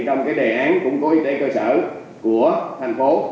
trong cái đề án củng cố y tế cơ sở của thành phố